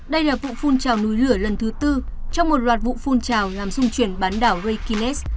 đây là vụ phun trào núi lửa lần thứ tư trong một loạt vụ phun trào làm dung chuyển bán đảo rekinas